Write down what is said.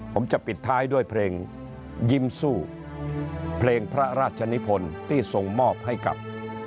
ผมจะปิดท้ายด้วยเพลงยิ้มสู้เพลงพระราชนิพลที่ส่งมอบให้กับ